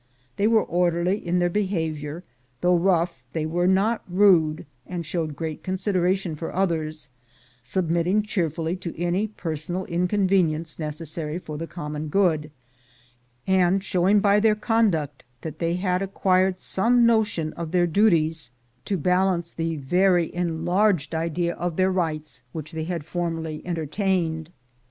They were orderly in their behavior; though rough, they were not rude, and showed great consideration for others, submitting cheerfully to any personal inconvenience necessary for the common good, and showing by their conduct that they had acquired some notion of their duties to balance the very en 150 THE GOLD HUNTERS larged idea of their rights which they had formerly entertained.